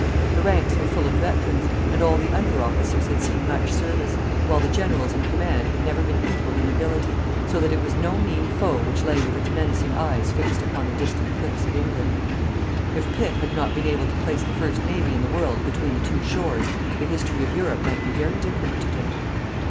The ranks were full of veterans, and all the under officers had seen much service, while the generals in command have never been equalled in ability, so that it was no mean foe which lay with its menacing eyes fixed upon the distant cliffs of England. If Pitt had not been able to place the first navy in the world between the two shores the history of Europe might be very different to day.